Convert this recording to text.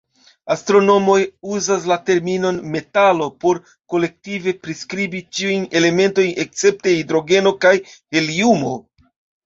Astronomoj uzas la terminon "metalo" por kolektive priskribi ĉiujn elementojn escepte hidrogeno kaj heliumo.